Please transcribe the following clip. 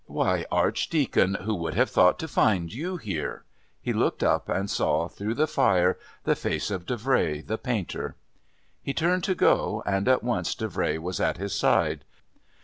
"Why, Archdeacon, who would have thought to find you here?" He looked up and saw, through the fire, the face of Davray the painter. He turned to go, and at once Davray was at his side.